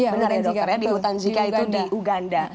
benar ya dokter ya di hutan zika itu di uganda